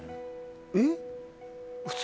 えっ？